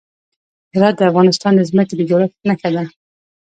هرات د افغانستان د ځمکې د جوړښت نښه ده.